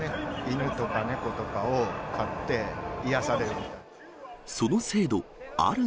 犬とか猫とかを飼って癒やされる。